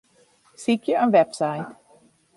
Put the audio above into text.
Sykje in website.